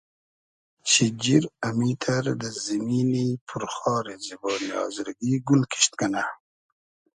شیجیر امیتر دۂ زیمینی پور خاری زیبۉنی آزرگی گول کیشت کئنۂ